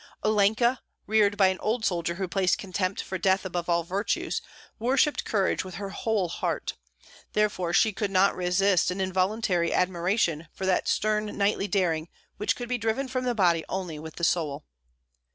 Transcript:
Olenka, reared by an old soldier who placed contempt for death above all virtues, worshipped courage with her whole heart; therefore she could not resist an involuntary admiration for that stern knightly daring which could be driven from the body only with the soul.